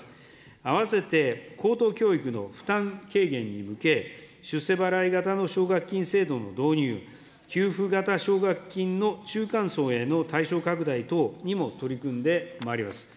併せて、高等教育の負担軽減に向け、出世払い型の奨学金制度の導入、給付型奨学金の中間層への対象拡大等にも取り組んでまいります。